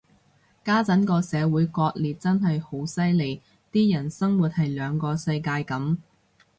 家陣個社會割裂真係好犀利，啲人生活喺兩個世界噉